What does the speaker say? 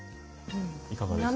いかがですか？